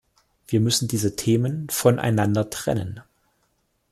Wir müssen diese Themen voneinander trennen.